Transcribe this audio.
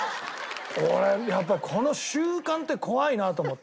これやっぱりこの習慣って怖いなと思って。